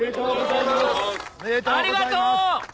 ありがとう！